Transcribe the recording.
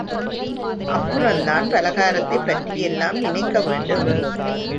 அப்புறந்தான் பலகாரத்தைப் பற்றியெல்லாம் நினைக்க வேண்டும்.